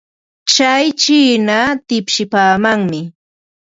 Tsay chiina tipsipaamanmi.